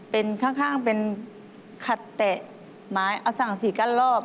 เป็นข้างเป็นขัดแตะไม้อสังสี่กั้นรอบ